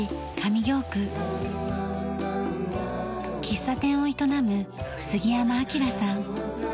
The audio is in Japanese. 喫茶店を営む杉山明さん。